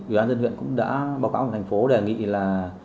ủy ban nhân dân huyện cũng đã báo cáo thành phố đề nghị là